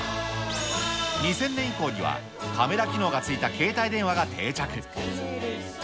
２０００年以降には、カメラ機能が付いた携帯電話が定着。